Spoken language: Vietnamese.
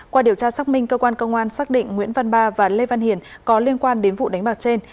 qua điều tra xác minh cơ quan công an xác định nguyễn văn ba và lê văn hiền có liên quan đến vụ đánh bạc trên